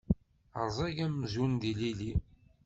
Rẓag amzun d ilili.